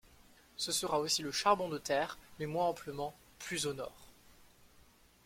Ce sera aussi le charbon de terre, mais moins amplement, plus au nord.